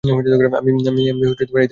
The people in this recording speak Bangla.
আমি এই দেশের নাগরিক।